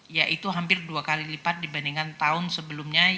yaitu hampir dua kali lipat dibandingkan tahun sebelumnya